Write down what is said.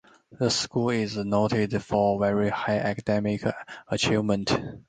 The school is noted for very high academic achievement.